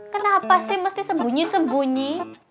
kenapa sih mesti sembunyi sembunyi